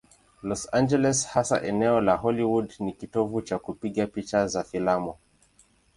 Los Angeles, hasa eneo la Hollywood, ni kitovu cha kupiga picha za filamu.